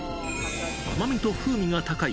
甘みと風味が高い